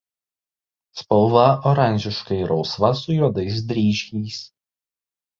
Spalva oranžiškai rausva su juodais dryžiais.